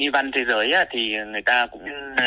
bạn thế giới thì người ta cũng